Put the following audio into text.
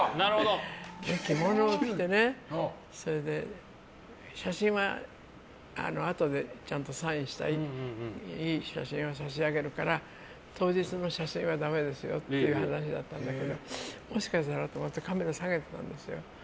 着物を着て写真はあとでちゃんとサインしていい写真を差し上げるから当日の写真はだめですよという話だったんだけどもしかしたらと思ってカメラ下げてたんですよ。